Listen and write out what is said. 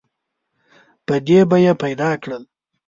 په دې به یې پیدا کړل.